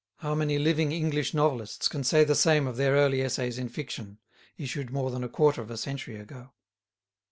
How many living English novelists can say the same of their early essays in fiction, issued more than a quarter of a century ago?